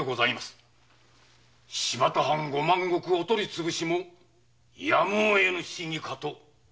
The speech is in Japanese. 新発田藩五万石お取りつぶしもやむをえぬ仕儀かと。